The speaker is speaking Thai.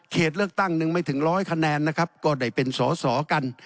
เลือกตั้งหนึ่งไม่ถึงร้อยคะแนนนะครับก็ได้เป็นสอสอกัน